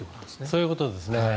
そういうことですね。